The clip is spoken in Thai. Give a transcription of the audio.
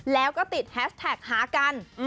แล้วก็ติดแฮชแท็กหากัน